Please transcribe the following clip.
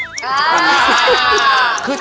พระเจ้าตากศิลป์